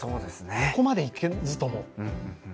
ここまでいけずとも。